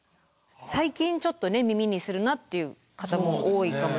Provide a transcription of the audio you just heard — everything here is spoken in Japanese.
最近ちょっと耳にするなっていう方も多いかもしれませんよね。